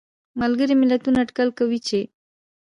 ملګري ملتونه اټکل کوي چې